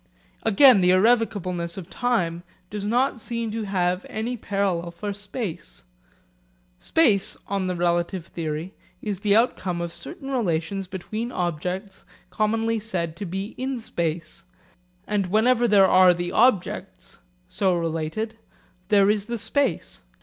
Again the irrevocableness of time does not seem to have any parallel for space. Space, on the relative theory, is the outcome of certain relations between objects commonly said to be in space; and whenever there are the objects, so related, there is the space.